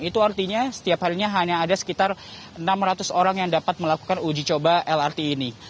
itu artinya setiap harinya hanya ada sekitar enam ratus orang yang dapat melakukan uji coba lrt ini